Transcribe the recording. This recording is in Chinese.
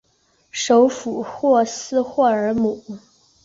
首府霍斯霍尔姆。